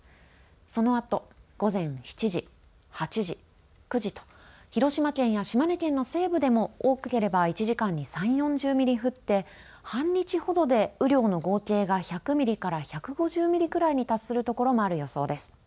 そのあと午前７時８時、９時と広島県や島根県の西部でも多ければ１時間に３、４０ミリ降って半日ほどで雨量の合計が１００ミリから１５０ミリくらいに達するところがある予想です。